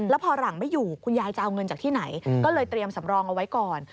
แล้วพอหลังไม่อยู่คุณยายจะเอาเงินจากที่ไหนก็เลยเตรียมสำรองเอาไว้ก่อน